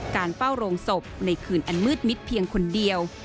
การเฝ้าโรงศพในคืนอันมืดมิดเพียงคนเดียว